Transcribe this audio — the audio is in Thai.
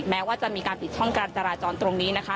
แม้ว่าจะมีการปิดช่องการจราจรตรงนี้นะคะ